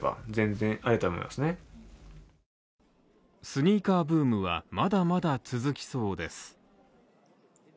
スニーカーブームはまだまだ続きそうです。